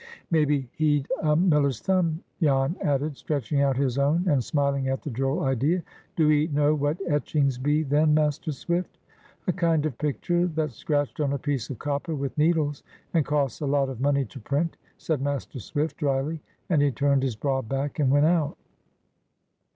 "Maybe he'd a miller's thumb," Jan added, stretching out his own, and smiling at the droll idea. "Do 'ee know what etchings be, then, Master Swift?" "A kind of picture that's scratched on a piece of copper with needles, and costs a lot of money to print," said Master Swift, dryly; and he turned his broad back and went out.